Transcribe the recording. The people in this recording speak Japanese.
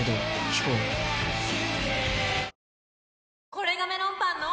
これがメロンパンの！